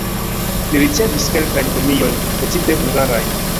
Li ricevis kelkajn premiojn (precipe hungarajn).